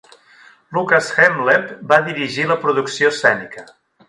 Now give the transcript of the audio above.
Lukas Hemleb va dirigir la producció escènica.